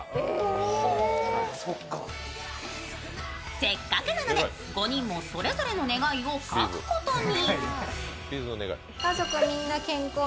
せっかくなので５人もそれぞれの願いを書くことに。